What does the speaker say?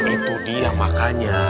itu dia makanya